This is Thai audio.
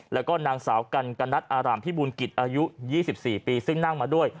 แล้วก็นางสาวกันกนัดอารามพิบูลกิจอายุ๒๔ปีซึ่งนั่งมาด้วย